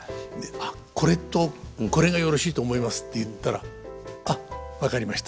「あっこれとこれがよろしいと思います」って言ったら「あっ分かりました。